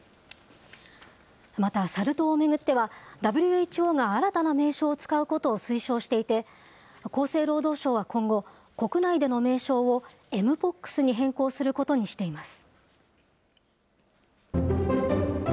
またサル痘を巡っては、ＷＨＯが新たな名称を使うことを推奨していて、厚生労働省は今後、国内での名称をエムポックスに変更することにしています。